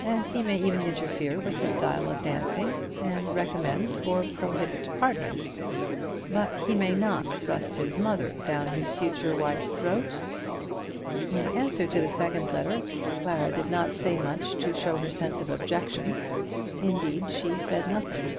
And he may even interfere with the style of dancing, and recommend or prohibit partners. But he may not thrust his mother down his future wife's throat. In answer to the second letter, Clara did not say much to show her sense of objection. Indeed she said nothing.